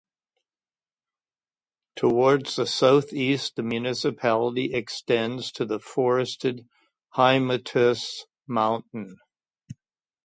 Towards the southeast the municipality extends to the forested Hymettus mountain.